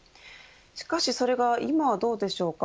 しかしそれが今はどうでしょうか。